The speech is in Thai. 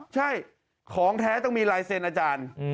ใช่ของแท้ต้องมีลายเซ็นต์อาจารย์